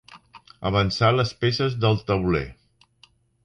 Avançar les peces del tauler.